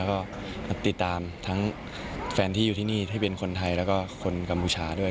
แล้วก็ติดตามทั้งแฟนที่อยู่ที่นี่ที่เป็นคนไทยแล้วก็คนกัมพูชาด้วย